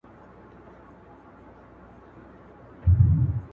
د خپل يوه باوري قومندان